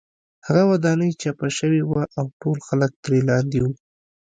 هغه ودانۍ چپه شوې وه او ټول خلک ترې لاندې وو